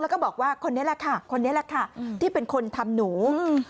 แล้วก็บอกว่าคนนี้แหละค่ะคนนี้แหละค่ะอืมที่เป็นคนทำหนูอืม